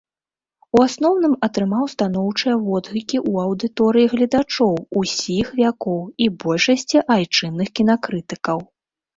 У асноўным атрымаў станоўчыя водгукі ў аўдыторыі гледачоў усіх вякоў і большасці айчынных кінакрытыкаў.